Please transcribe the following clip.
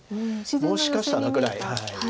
もしかしたらぐらい。